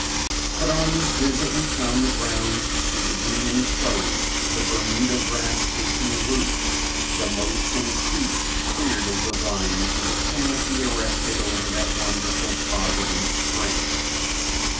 But on this visit we found the grounds suitably enclosed, the Bermuda grass taking root, the moats and creek cleared of the vines and the conopy erected over that wonderful Providence Spring.